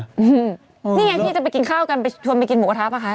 นี่ไงพี่จะไปกินข้าวกันไปชวนไปกินหมูกระทะป่ะคะ